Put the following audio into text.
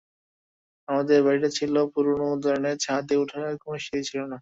আমাদের বাড়িটা ছিল পুরনো ধরনের, ছাদে ওঠার কোনো সিঁড়ি ছিল না।